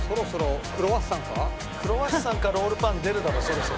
クロワッサンかロールパン出るだろそろそろ。